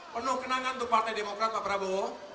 penuh kenangan untuk partai demokrat pak prabowo